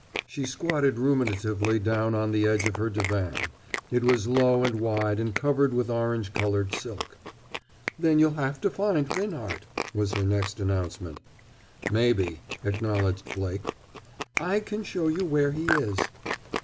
She squatted ruminatively down on the edge of her divan. It was low and wide and covered with orange colored silk. "Then you'll have to find Binhart!" was her next announcement. "Maybe!" acknowledged Blake. "I can show you where he is!"